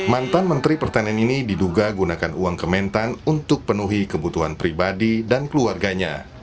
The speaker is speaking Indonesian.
mantan menteri pertanian ini diduga gunakan uang kementan untuk penuhi kebutuhan pribadi dan keluarganya